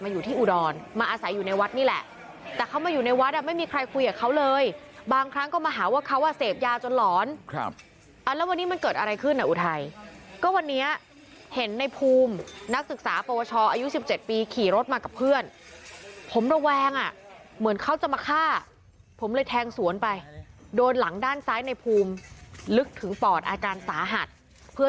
อยู่ที่อุดรมาอาศัยอยู่ในวัดนี่แหละแต่เขามาอยู่ในวัดอ่ะไม่มีใครคุยกับเขาเลยบางครั้งก็มาหาว่าเขาอ่ะเสพยาจนหลอนครับเอาแล้ววันนี้มันเกิดอะไรขึ้นอ่ะอุทัยก็วันนี้เห็นในภูมินักศึกษาปวชอายุ๑๗ปีขี่รถมากับเพื่อนผมระแวงอ่ะเหมือนเขาจะมาฆ่าผมเลยแทงสวนไปโดนหลังด้านซ้ายในภูมิลึกถึงปอดอาการสาหัสเพื่อ